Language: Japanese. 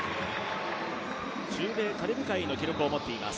中米カリブ海の記録を持っています。